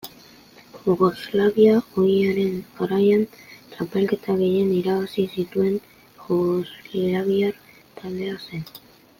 Jugoslavia ohiaren garaian, txapelketa gehien irabazi zituen jugoslaviar taldea zen.